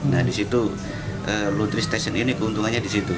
nah di situ laundry station ini keuntungannya di situ